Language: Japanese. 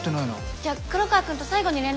じゃあ黒川くんと最後に連絡取ったのは？